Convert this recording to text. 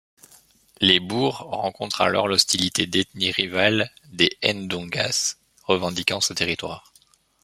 Les boers rencontrent alors l'hostilité d'ethnies rivales des Ndongas revendiquant ce territoire.